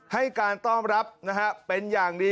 ให้การต้องรับเป็นอย่างดี